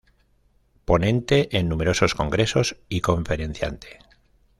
Ponente en numerosos congresos y conferenciante.